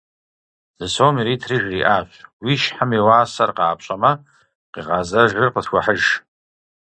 Зы сом иритри жриӏащ: «Уи щхьэм и уасэр къапщӏэмэ, къигъэзэжыр къысхуэхьыж».